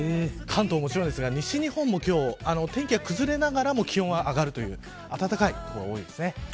関東ももちろんですが西日本も今日天気が崩れながらも気温は上がって暖かい所が多いです。